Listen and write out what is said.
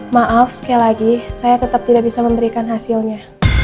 maaf sekali lagi saya tetap tidak bisa memberikan hasilnya